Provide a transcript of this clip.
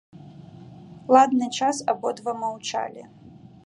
Ладны час абодва маўчалі.